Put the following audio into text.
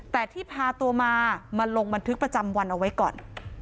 แต่ที่พาตัวมามาลงบันทึกประจำวันเอาไว้ก่อน